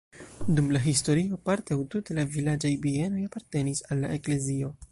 Dum la historio parte aŭ tute la vilaĝaj bienoj apartenis al la eklezio.